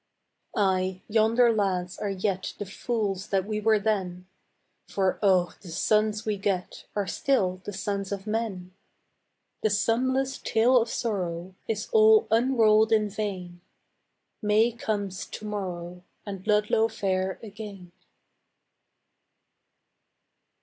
Ay, yonder lads are yet The fools that we were then; For oh, the sons we get Are still the sons of men. The sumless tale of sorrow Is all unrolled in vain: May comes to morrow And Ludlow fair again.